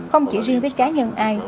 không chỉ riêng với cá nhân ai